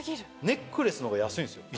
ネックレスの方が安いんですよ。